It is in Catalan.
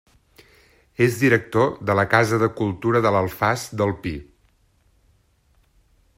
És director de la Casa de la Cultura de l'Alfàs del Pi.